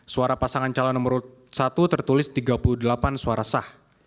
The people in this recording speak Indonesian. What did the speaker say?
suara pasangan calon nomor satu tertulis tiga puluh delapan suara sah